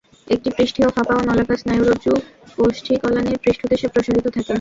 একটি পৃষ্ঠীয় ফাঁপা ও নলাকার স্নায়ুরজ্জু পৌষ্টিকনালির পৃষ্ঠদেশে প্রসারিত থাকে।